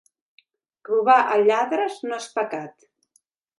Robar a lladres no és pecat.